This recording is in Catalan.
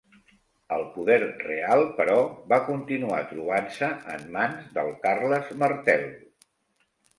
El poder real, però, va continuar trobant-se en mans del Carles Martell.